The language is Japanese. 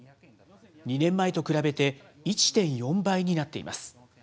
２年前と比べて、１．４倍になっています。